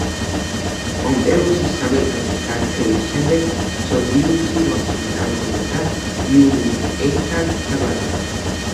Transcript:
პომპეუსის საბერძნეთში გაქცევის შემდეგ, სოზიუსი რომში დაბრუნდა და იულიუს კეისარს ჩაბარდა.